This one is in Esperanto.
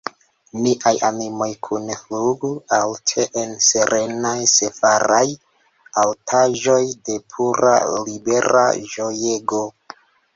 Niaj animoj kune flugu alte en serenaj, serafaj altaĵoj de pura, libera ĝojego!